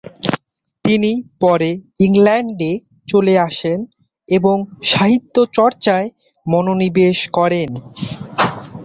তিনি পরে ইংল্যান্ডে চলে আসেন এবং সাহিত্যচর্চায় মনোনিবেশ করেন।